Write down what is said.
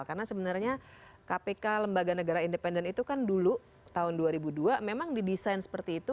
karena sebenarnya kpk lembaga negara independen itu kan dulu tahun dua ribu dua memang didesain seperti itu